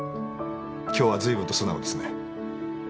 今日はずいぶんと素直ですね。